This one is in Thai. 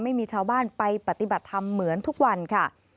ไม่มีชาวบ้านไปปฏิบัติธรรมเหมือนทุกวันค่ะ